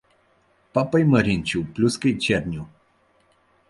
Папай, Маринчо, плюскай, Черньо!